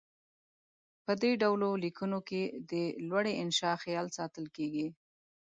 په دې ډول لیکنو کې د لوړې انشاء خیال ساتل کیږي.